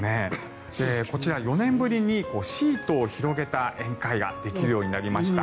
こちら、４年ぶりにシートを広げた宴会ができるようになりました。